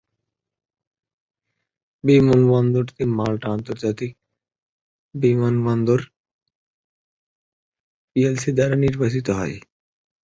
বিমানবন্দরটি মাল্টা আন্তর্জাতিক বিমানবন্দর পিএলসি দ্বারা পরিচালিত হয়।